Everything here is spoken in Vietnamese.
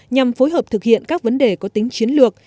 nhằm phối hợp thực hiện các vấn đề có tính chiến lược